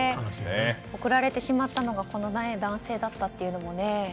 送られてしまったのがこの男性だったという。